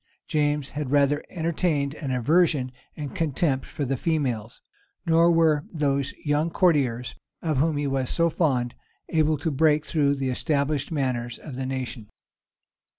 James had rather entertained an aversion and contempt for the females; nor were those young courtiers, of whom he was so fond, able to break through the established manners of the nation.